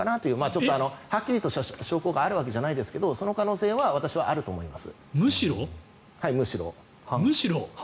ちょっとはっきりとした証拠があるわけじゃないですがその可能性は私はあると思います。